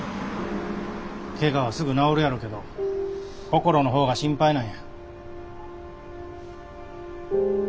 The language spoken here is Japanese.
けがはすぐ治るやろうけど心の方が心配なんや。